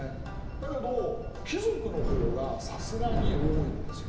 だけど貴族の方がさすがに多いんですよ。